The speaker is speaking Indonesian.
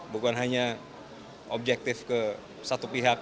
bukan hanya objektif ke satu pihak